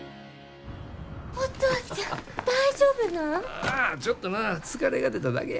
ああちょっとな疲れが出ただけや。